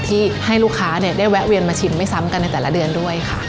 ที่ให้ลูกค้าได้แวะเวียนมาชิมไม่ซ้ำกันในแต่ละเดือนด้วยค่ะ